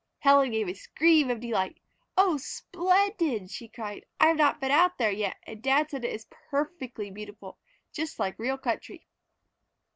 Helen gave a scream of delight. "Oh, splendid!" she cried, "I have not been out there yet, and dad says it is perfectly beautiful just like real country."